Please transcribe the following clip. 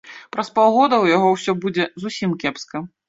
Праз паўгода ў яго ўсё будзе зусім кепска.